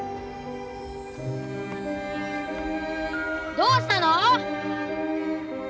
どうしたの？